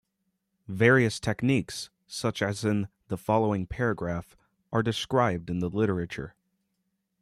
Various techniques, such as in the following paragraph, are described in the literature.